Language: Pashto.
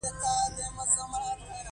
کرکېله هم پکې ښه پایله ورکوي.